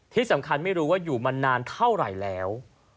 ที่สำคัญไม่รู้ว่าอยู่มานานเท่าไหร่แล้ว